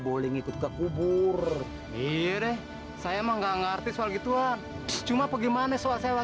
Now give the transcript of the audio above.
boleh ngikut ke kubur iya deh saya emang nggak ngerti soal gituan cuma bagaimana soal sewa